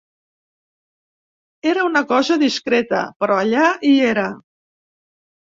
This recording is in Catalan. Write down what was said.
Era una cosa discreta, però allà hi era.